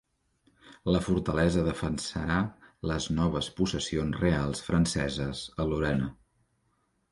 La fortalesa defensarà les noves possessions reals franceses a Lorena.